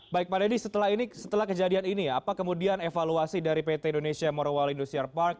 baik pak dedy setelah ini setelah kejadian ini ya apa kemudian evaluasi dari pt indonesia morowal industrial park